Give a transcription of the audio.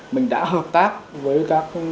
mình đã hợp tác với các